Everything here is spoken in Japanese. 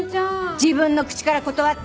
自分の口から断って！